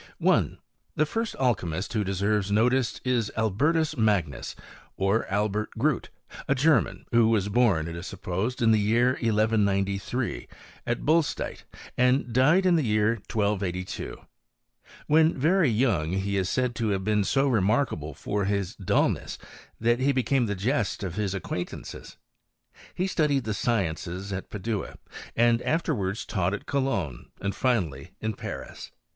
* 1. The first alchymist who deserves notice is Alber tus Magnus, or Albert Groot, a German, who was bom, it is supposed, in the year 1193, at BoUstaedt, and died in the year 1282. f When very young he is said to have been so remarkable for his dulness, that he became the jest of his acquaintances. He studied the sciences at Padua, and afterwards taught at Cologne, and finally in Paris.